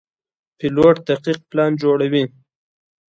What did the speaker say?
پیلوټ دقیق پلان جوړوي.